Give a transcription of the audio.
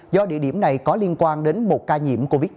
do địa điểm này có liên quan đến một ca nhiễm covid một mươi chín